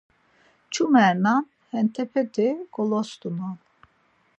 Çumernan, entepeti golastunan.